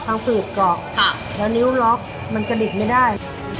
ทางปืดกรอกแล้วนิ้วล็อกมันกระดิกไม่ได้